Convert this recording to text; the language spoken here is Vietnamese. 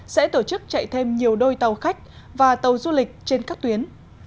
sẽ tổ chức chạy thêm nhiều đôi tàu khách và tàu du lịch trên các tuyến